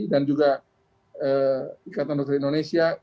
dan juga ikatan dokter indonesia